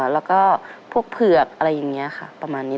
แล้วก็พวกเผือกอะไรอย่างนี้ค่ะประมาณนี้